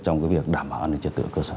trong việc đảm bảo an ninh trật tự ở cơ sở